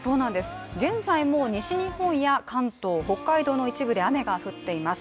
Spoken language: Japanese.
現在も西日本や関東、北海道の一部で雨が降っています。